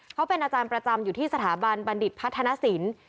เขาเป็นอาจารย์ประจำอยู่ที่สถาบันบัณฑิตพัฒนศิลป์